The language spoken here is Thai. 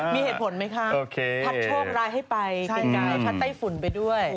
มีเหตุผลไหมคะพัดโชคร้ายให้ไปไกลพัดไต้ฝุ่นไปด้วย